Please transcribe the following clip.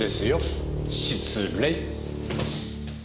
失礼。